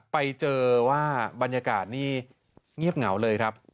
ไปเจอว่าบรรยากาศนี่เงียบเหงาเลยครับ